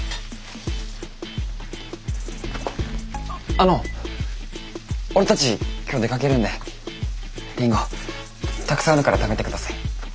あの俺たち今日出かけるんでりんごたくさんあるから食べて下さい。